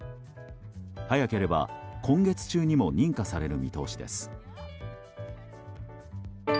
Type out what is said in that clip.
早ければ今月中にも認可される見通しです。